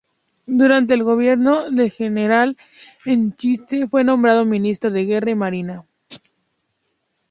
Durante el gobierno del general Echenique fue nombrado ministro de Guerra y Marina.